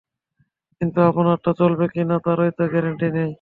কিন্তু আপনারটা চলবে কিনা, তারই তো গ্যারান্টি নেই!